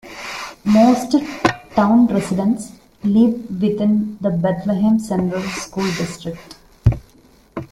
Most town residents live within the Bethlehem Central School District.